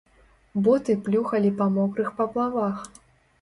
Боты плюхалі па мокрых паплавах.